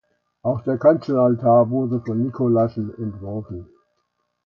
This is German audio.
Auch der Kanzelaltar wurde von Nicolaßen entworfen.